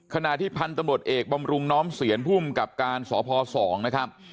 ขณะที่พันธุ์ตำรวจเอกบำรุงน้อมเสียนภูมิกับการสพ๒นะครับ